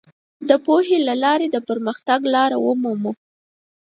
د پوهې له لارې د پرمختګ لار ومومو.